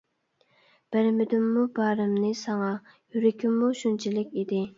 بەرمىدىممۇ بارىمنى ساڭا، يۈرىكىممۇ شۇنچىلىك ئىدى.